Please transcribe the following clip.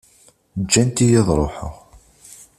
Ǧǧant-iyi ad ruḥeɣ.